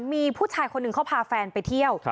มีผู้ชายคนหนึ่งเขาพาแฟนไปเที่ยว